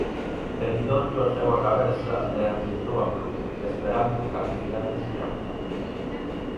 Celidonio ergueu a cabeza e enristrou a pluma, esperando cantidades que anotar.